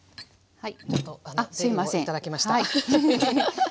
はい。